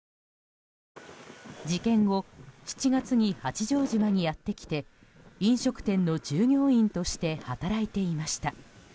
事件後、７月に八丈島にやってきて飲食店の従業員として働いていました。